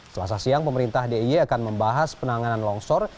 selasa siang pemerintah d i y akan membahas penanganan longsor